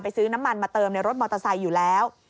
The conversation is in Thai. ซื้อน้ำมันมาเติมในรถมอเตอร์ไซค์อยู่แล้ว